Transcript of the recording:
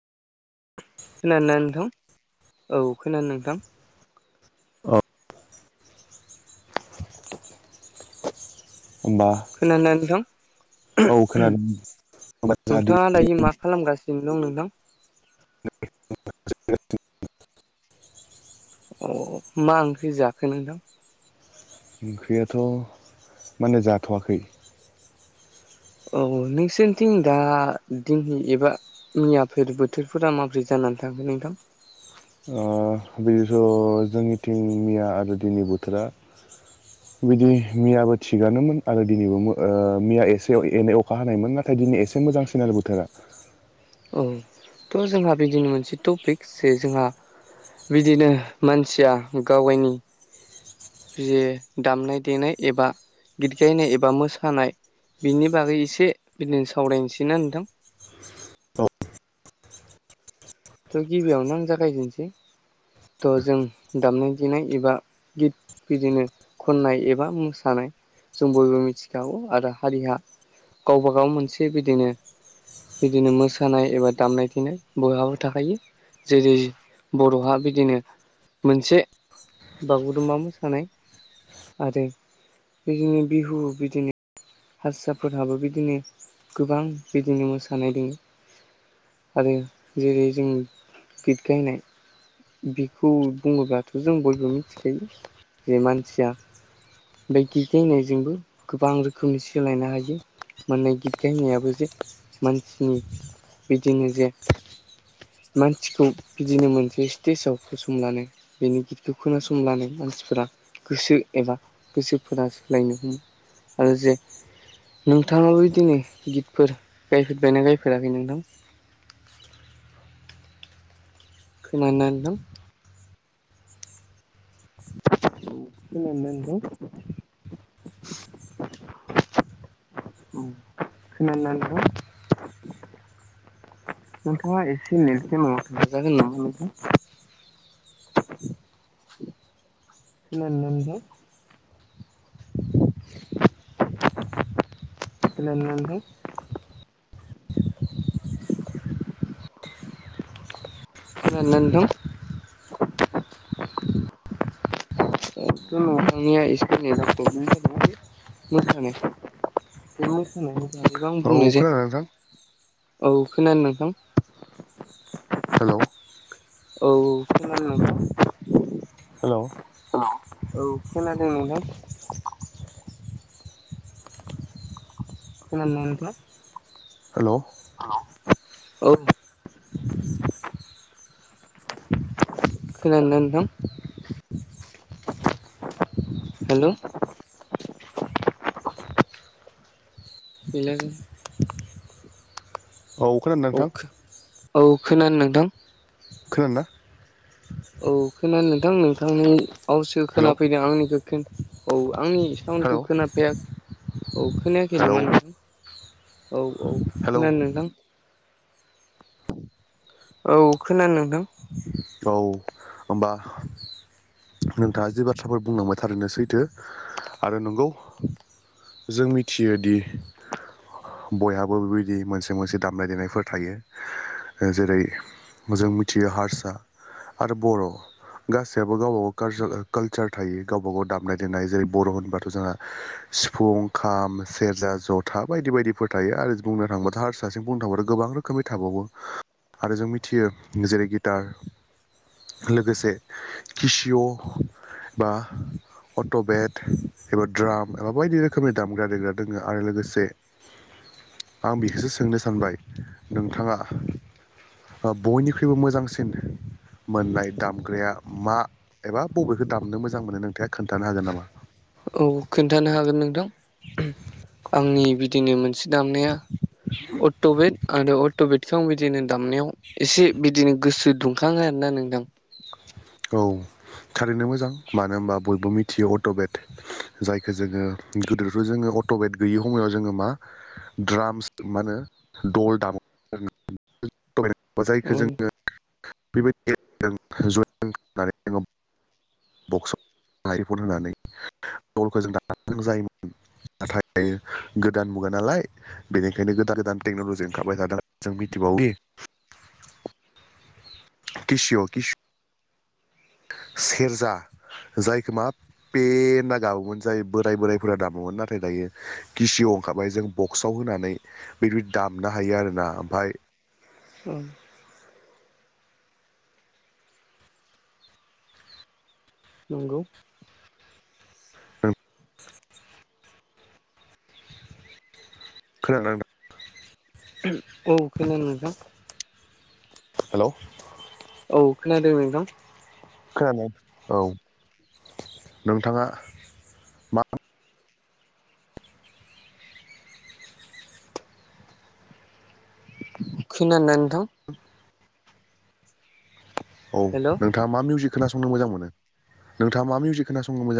[inaudible] खोनादों नोंथां औ खोनानो नोंथां। अ होमबा खोनादोंना नोंथां? औ खोनादों होमबा जोंहा नोंथाङा दिनै दायो मा खालामगासिनो दं नोंथां? अ मा ओंख्रि जाखो नोंथां? ओंख्रियाथ' माने जाथ'वाखै। औ नोंसोरनिथिं दा दिननि एबा मियाफोर बोथोरफोरा माबोरै जानानै थांगोन नोंथां अ बिदिथ जोंनिथिं मैया आरो दिनि बोथोरा [inaudible] बिदि मियाबो थिगानोमोन आरो दिनैबो मो मिया एसे एनै अखा हानायमोन ना नाथाय दिनै एसे मोजांसिना आरो बोथोरा औ थ जोंहा बिदिनो मोनसे टपिक जे जोंहा बिदिनो मानसिया गावगायनि जे दामनाय देनाय एबा गित गायनाय एबा मोसानाय बिनि बागै एसे बिदिनो सावरायनोसै ना नोंथां औ थ गिबियावनो आं जागायजेननोसै थ जों दामनाय देनाय एबा गित बिदिनो खननाय एबा मोसानाय जों बयबो मिथिखागौ आरो हारिया गावबाागाव मोनसे बिदिनो बिदिनो मोसानाय एबा दामनाय देनाय बयहाबो थाखायो जेरै बर'हा बिदिनो मोनसे बागुरुम्बा मोसानाय आरो बिदिनि बिहु बिदिनो हारसाफोरहाबो बिदिनो गोबां बिदिनो मोसानाय दोङो आरो जेरै जों गित गायनाय बेखौ बुङोब्लाथ जों बयबो मिथिखायो जे मानसिया बे गित गायनायजोंबो गोबां रोखो खोमनि सोलायनो हायो माने गित गायनायाबो जे मानसिनि बिदिनो जे मानसिखौ बिदिनो मोनसे स्टेजाव फसंलांनो बेनि गिदखौ खोनासंब्लानो मानसिफोरा गोसो एबा गोसोफोरा सोलायनो हमो आरो जे नोंथाङाबो बिदिनो गितफोर गायफेरबायना गायफेराखै नोंथां खोनादोना नोंथां खोनादोना नोंथां उम खोनादोना नोंथां नोंथाङा एसे नेट गोनाङाव थांजागोन‌ नामा नोंथां खोनादोना नोंथां खोनादोना नोंथां खोनादोना नोंथां [unintelligible] बे मोसानायबो आं बुंनो जे नोंथां औ खोनादो नोंथां हेलौ औ खोनादों नोंथां हेलौ औ खोनादों नोंथां खोनादोना नोंथां हेलौ औ खोनादोना नोंथां हेलौ हेलौ औ खो औ खो औ खोनादो नोंथां खोनादोना औ खोनादो नोंथां नोंथांनि आवासखो हेलौ खोनाफैदों आंनिखो खो औ आंनि सावनिखो हेलौ खोनाफैया औ खोनायाखै हेलौ नामा नोंथां औ औ हेलौ खोनादो नोंथां औ खोनादो नोंथां औ ओमबा नोंथाङा जि बाथ्राफोर बुंलांबाय थारैनो सैथो आरो नंगौ जों मिथियोदि बयहाबो बेबायदि मोनसे मोनसे दामनाय देनायफोर थायो जेरै मोजां मोनथियो हारसा आरो बर' गासैाबबो गावबा गावालार कालसार थायो गावबा गाव दामनाय देनाय जेरै बर' होनबाथ' जोंहा सिफुं खाम सेरजा जथा बायदि बायदिफोर थायो आरो बुंनो थाङोबा हार दासिम बुंनो थांङोबाथ गोबां रोखोमै थाबावो आरो जों मिथियो जेरै गिटार लोगोसे किसिय' बा अट' बेट एबा द्राम एबा बायदि रोखोमनि दामग्रा देग्रा दोङो आरो लोगोसे आं बेखौसो सोंनो सानबाय नोंथाङा बयनिख्रुइबो मोजांसिन मोननाय दामग्राया मा एबा बबेखौ दामनो मोजां मोनो नोंथाङा खोन्थानो हागोन नामा औ खोन्थानो हागोन नोंथां आंनि बिदिनो मोनसे दामनाया अट'बेट आ अट'बेटिक आ बिदिनो दामनायाव एसे बिदिनो गोसो दुंखाङो आरोना नोंथां औ कारेन्टनो मोजां मानो होनबा बयबो मिथियो अट'बेट जायखौ जोङो गोदोथ' जोङो अट'बेट गैयि समाव जोङो मा द्रामस मा होनो दल दाम औ जायखौ जोङो बेबायदि [unintelligible] बक्स फन होनानै दलखौ जों दा जों जायोमोन नाथाय गोदान मुगा नालाय बेनिखायनो गोदान गोदान टेक्न'लजि ओंखारबाय थादों जों मिथिबावयो किसिअ' किस सेरजा जायखौ मा पे होन्ना गाबोमोन जाय बोराय बोरायफोरा दामोमोन नाथाय दायो गिसियाव ओंखारबाय जों बक्सआव होनानै बेदि दामनो हायो आरोना ओमफ्राय औ नंगौ खोनादों ना नोंथां औ खोनादों नोंथां हेलौ औ खोनादों नोंथां खोनानो औ नोंथाङा मा खोनादोंना नोंथां औ हेल' नोंथाङा मा मिउजिक खोनासंनो मोजां मोनो नोंथाङा मा मिउजिख खोनासंनो मोजां मो